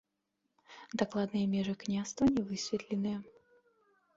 Дакладныя межы княства не высветленыя.